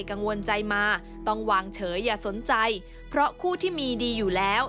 กังวลใจมาต้องวางเฉยอย่าสนใจเพราะคู่ที่มีดีอยู่แล้ว